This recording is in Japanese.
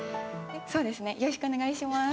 そうですねよろしくお願いします。